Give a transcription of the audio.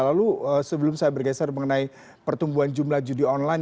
lalu sebelum saya bergeser mengenai pertumbuhan jumlah judi online